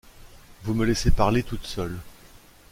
Vous me laissez parler toute seule.